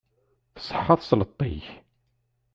Tṣeḥḥa tesleṭ-ik.